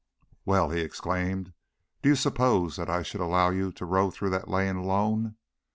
"Well!" he exclaimed. "Did you suppose that I should allow you to row through that lane alone?